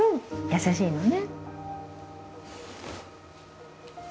優しいのね